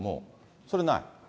それない？